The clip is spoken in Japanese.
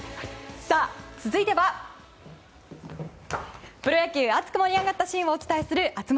続いてはプロ野球熱く盛り上がったシーンをお伝えする熱盛。